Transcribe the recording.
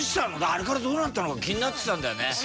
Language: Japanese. あれからどうなったのか気になってたんだよね。